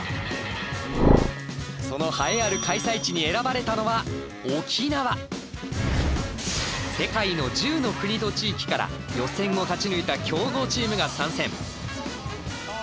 その栄えある開催地に選ばれたのは世界の１０の国と地域から予選を勝ち抜いた強豪チームが参戦。